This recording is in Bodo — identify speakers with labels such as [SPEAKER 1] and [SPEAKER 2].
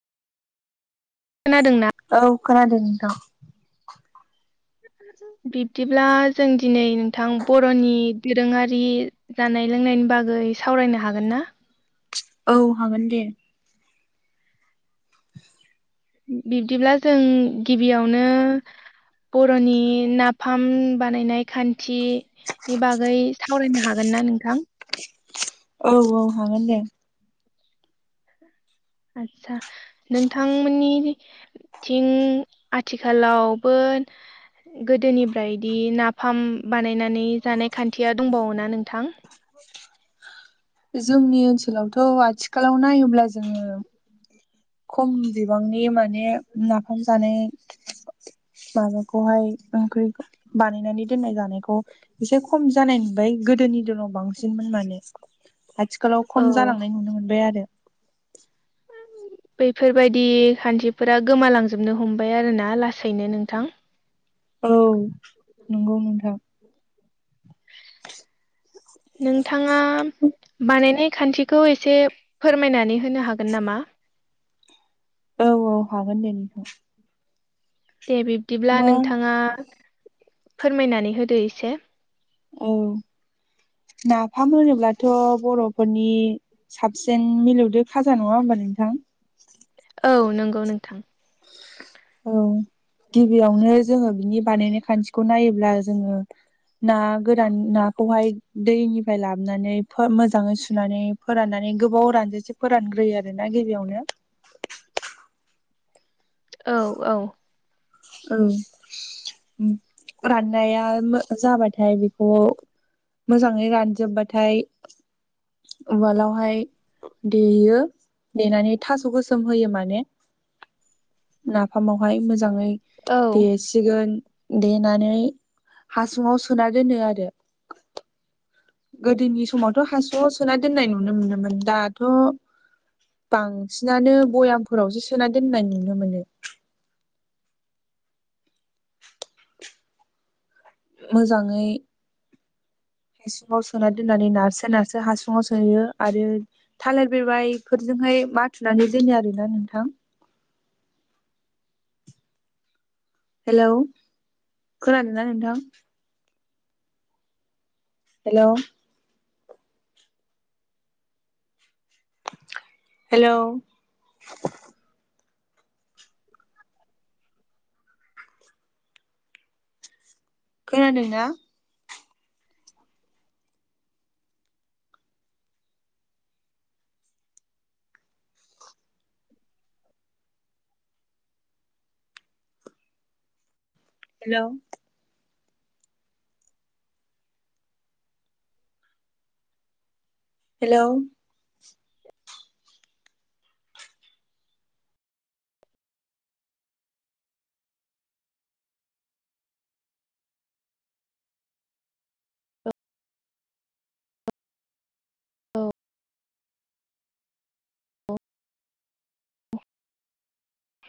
[SPEAKER 1] खोनादों ना?
[SPEAKER 2] औ खोनादों नोंथां
[SPEAKER 1] बिबदिब्ला जों दिनै नोंथां बर'नि दोरोंआरि जानाय लोंनायनि बागै सावरायनो हागोन ना?
[SPEAKER 2] औ हागोन दे। [inaudible]
[SPEAKER 1] बिबदिब्ला जों गिबियावनो बर'नि नाफाम बानायनाय खान्थि नि बागै सावरायनो हागोन ना नोंथां
[SPEAKER 2] औ औ हागोन दे
[SPEAKER 1] आदसा नोंथांमोननि थिं आथिखालावबो गोदोनिफ्रायदि नाफाम बानायनानै जानाय खान्थिया दंबावोना नोंथां?
[SPEAKER 2] जोंनि ओनसोलावथ'आथिखालाव नायोब्ला जोङो खम बिबांनि माने नाफाम जानाय। माबाखौहाय ओंख्रि बानायनानै दोननाय जानायखौ एसे खम जानाय नुबाय गोदोनि दिनाव बांसिनमोन माने। आथिखालाव
[SPEAKER 1] औ
[SPEAKER 2] खम जालांनाय नुनो मोनबाय आरो
[SPEAKER 1] बैफोरबायदि खान्थिफोरा गोमालांजोबनो हमबाय आरो ना लासैनो नोंथां।
[SPEAKER 2] औ नंगौ नोंथां।
[SPEAKER 1] नोंथाङा बानायनाय खान्थि खौ एसे फोरमायनानै होनो हागोन नामा?
[SPEAKER 2] औ औ हागोन दे नोंथां।
[SPEAKER 1] दे बिबदिब्ला
[SPEAKER 2] मा
[SPEAKER 1] नोंथाङा फोरमायनानै होदो एसे।
[SPEAKER 2] औ नाफाम होनोब्लाथ' बर'फोरनि साबसिन मिलौदो खाजा नङा होमबा नोंथां?
[SPEAKER 1] औ नंगौ नोंथां।
[SPEAKER 2] औ गिबियावनो जोङो बिनि बानायनाय खान्थिखौ नायोब्ला जोङो ना गोरान नाखौहाय दैनिफ्राय लाबोनानै मोजाङै सुनानै फोराननानै गोबाव रानजासे फोरानग्रोयो आरो ना गिबियावनो
[SPEAKER 1] औ औ
[SPEAKER 2] औ राननाया जाबाथाइ बेखौ मोजाङै रानजोबबाथाय उवालावहाय देयो देनानै थास' गोसोम होयो माने। नाफामावहाय मोजाङै
[SPEAKER 1] औ
[SPEAKER 2] देसिगोन देनानै हासुङाव सोना दोनो आरो गोदोनि समावथ' हासुङाव सोना दोननाय नुनो मोनोमोन दाथ' बांसिनानो भयामफोरावसो सोना दोननाय नुनो मोनो। मोजाङै हासुङाव सोना दोननानै नारसो नारसो हासुङाव सोयो आरो थालिर बिबायफोरजोंहाय माथुनानै दोनो आरोना नोंथां। हेलौ खोनादों ना नोथां? हेल'। हेलौ। खोनादों ना? हेल'। हेल'।
[SPEAKER 1] औ